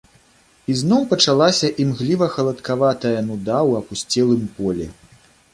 Ізноў пачалася імгліва-халадкаватая нуда ў апусцелым полі.